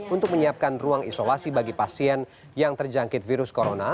untuk menyiapkan ruang isolasi bagi pasien yang terjangkit virus corona